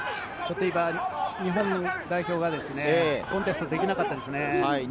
日本代表がコンタクトできなかったですね。